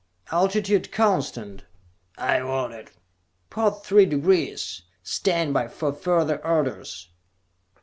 "Altitude constant," I ordered. "Port three degrees. Stand by for further orders."